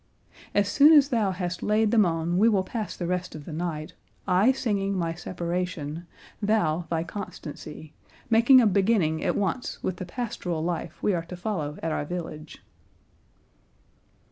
As soon as thou hast laid them on we will pass the rest of the night, I singing my separation, thou thy constancy, making a beginning at once with the pastoral life we are to follow at our village."